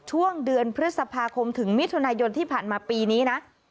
ช่วงเดือนพฤษภาคมถึงมิถุนายนที่ผ่านมาปีนี้นะ